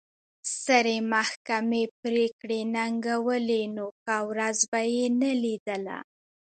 سترې محکمې پرېکړې ننګولې نو ښه ورځ به یې نه لیدله.